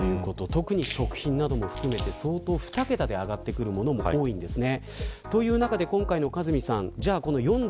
特に食品なども含めて２桁で上がってくるものも多いんですね。